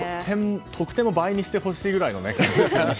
得点を倍にしてほしいぐらいですね。